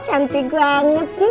cantik banget sih